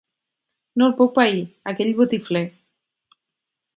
No el puc pair, aquell botifler!